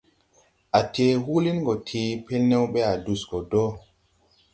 A tee huulin gɔ tee, pelnew bɛ a dus gɔ do.